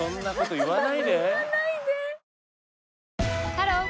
ハロー！